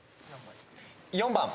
４番。